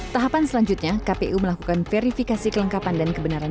tahapan selanjutnya kpu melakukan verifikasi kelengkapan dan kebenaran